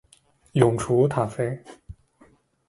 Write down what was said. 永雏塔菲